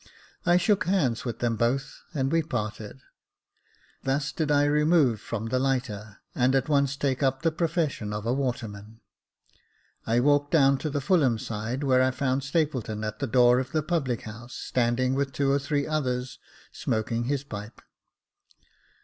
I shook hands with them both, and we parted. Thus did I remove from the lighter, and at once take up the profession of a waterman. I walked down to the Fulham side, where I found Stapleton at the door of the Jacob Faithful 191 public house, standing with two or three others, smoking his pipe.